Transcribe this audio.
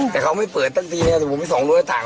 แต่เขาไม่เปิดตั้งทีเนี้ยสมมุติสองโดยต่าง